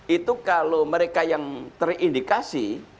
itu kalau mereka yang terindikasi